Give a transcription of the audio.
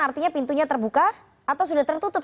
artinya pintunya terbuka atau sudah tertutup